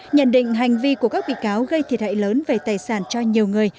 nhận định hành vi của các bị cáo gây thiệt hại lớn về tài sản cho nhiều người